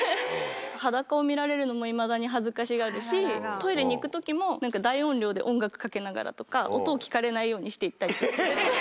裸を見られるのもいまだに恥ずかしがるしトイレに行く時も大音量で音楽かけながらとか音を聞かれないようにして行ったりとかしてて。